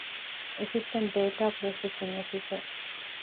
އެސިސްޓެންޓް ޑޭޓާ ޕްރޮސެސިންގ އޮފިސަރ